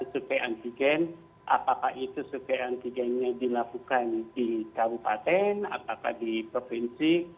supaya antigen apakah itu survei antigennya dilakukan di kabupaten apakah di provinsi